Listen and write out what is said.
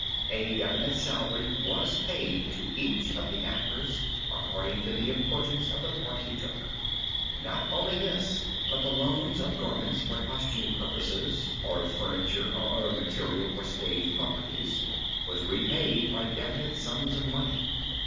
A definite salary was paid to each of the actors according to the importance of the part he took. Not only this, but the loans of garments for costume purposes, or of furniture or other material for stage properties, was repaid by definite sums of money.